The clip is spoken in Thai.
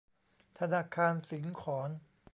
ธนาคารสิงขร